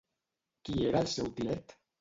Qui era el seu tiet?